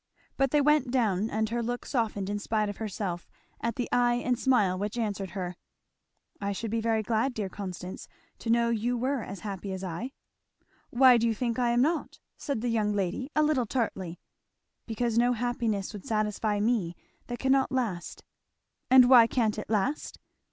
But they went down and her look softened in spite of herself at the eye and smile which answered her. "I should be very glad, dear Constance, to know you were as happy as I." "Why do you think I am not?" said the young lady a little tartly. "Because no happiness would satisfy me that cannot last" "And why can't it last?"